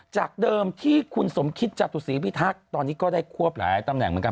จากเดิมที่คุณสมคิตจตุศีพิทักษ์ตอนนี้ก็ได้ควบหลายตำแหน่งเหมือนกัน